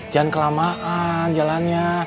jangan kelamaan jalannya